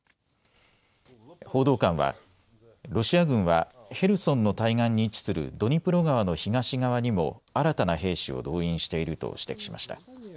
報道官は、ロシア軍はヘルソンの対岸に一するにプロ側の東海側にも新たな兵士を動員していると指摘しました。